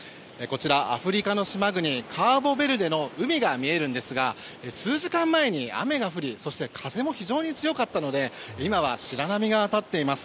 こちら、アフリカの島国カーボベルデの海が見えるんですが数時間前に雨が降りそして風も非常に強かったので今は白波が立っています。